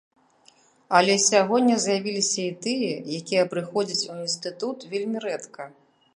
Але сягоння з'явіліся і тыя, якія прыходзяць у інстытут вельмі рэдка.